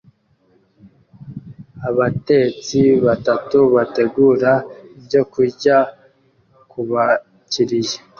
Abatetsi batatu bategura ibyokurya kubakiriya